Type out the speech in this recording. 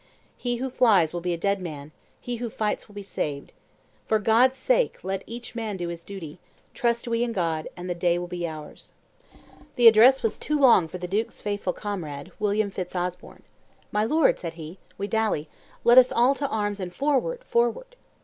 He who flies will be a dead man; he who fights will be saved. For God's sake, let each man do his duty; trust we in God, and the day will be ours." [Illustration: William the Conqueror reviewing his Army 357] The address was too long for the duke's faithful comrade, William Fitz Osborn. "My lord," said he, "we dally; let us all to arms and forward, forward!"